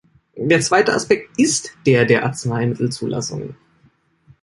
Der zweite Aspekt ist der der Arzneimittelzulassungen.